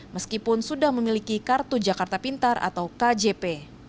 meskipun sudah memiliki kartu jakarta pintar atau kjp